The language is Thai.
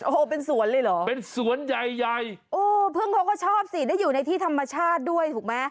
โอ้โหเป็นสวนเลยเหรอเป็นสวนใหญ่ใหญ่โอ้พึ่งเขาก็ชอบสิได้อยู่ในที่ธรรมชาติด้วยถูกไหม